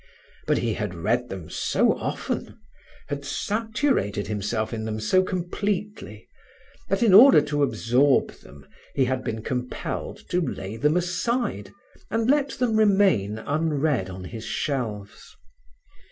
But he had read them so often, had saturated himself in them so completely, that in order to absorb them he had been compelled to lay them aside and let them remain unread on his shelves.